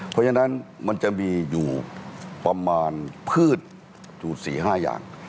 เพราะฉะนั้นมันจะมีอยู่ประมาณพืชอยู่๔๕อย่าง